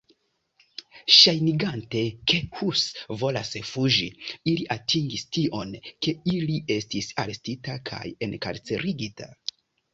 Ŝajnigante, ke Hus volas fuĝi, ili atingis tion, ke li estis arestita kaj enkarcerigita.